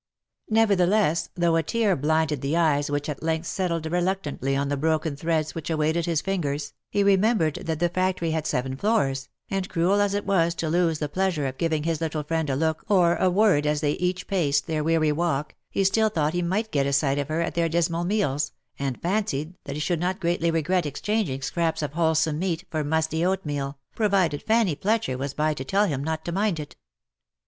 Nevertheless, though a tear blinded the eyes which at length settled reluctantly on the broken threads which awaited his fingers, he remem bered that the factory had seven floors, and cruel as it was to lose the pleasure of giving his little friend a look or a word as they each paced their weary walk, he still thought he might get a sight of her at their dismal meals, and fancied that he should not greatly regret exchanging scraps of wholesome meat, for musty oatmeal, provided Fanny Fletcher was by to tell him not to mind it.